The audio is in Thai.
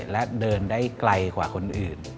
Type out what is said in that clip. และเดินได้ไกลกว่าคนอื่น